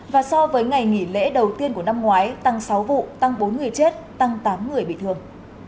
và so với ngày nghỉ lễ đầu tiên của năm ngoái tăng sáu vụ tăng bốn người chết tăng tám người bị thương